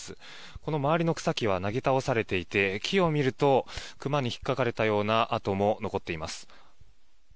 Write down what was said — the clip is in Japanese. この周りの草木はなぎ倒されていて木を見ると熊に引っかかれたような跡も残っています。